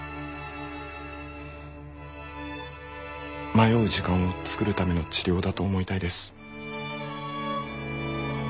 迷う時間を作るための治療だと思いたいです。